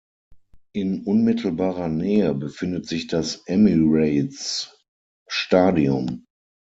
In unmittelbarer Nähe befindet sich das Emirates Stadium.